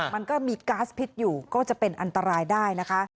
มันก็มีก๊าซพิษอยู่ก็จะเป็นอันตรายได้นะคะ